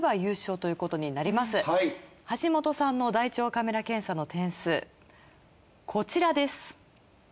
橋本さんの大腸カメラ検査の点数こちらです。